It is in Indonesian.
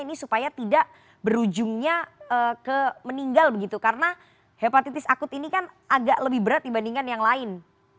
ini supaya tidak berujungnya ke meninggal begitu karena hepatitis akut ini kan agak lebih berat dibandingkan yang lain